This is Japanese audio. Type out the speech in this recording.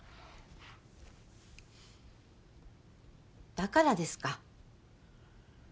だからですか。